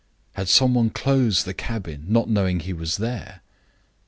Had some one closed the cabin, not knowing he was there?